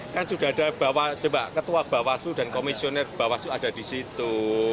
kan sudah ada ketua bawaslu dan komisioner bawaslu ada di situ